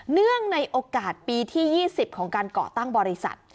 เนื่องในโอกาสปีที่๒๐ของการเกาะตั้งบริษัท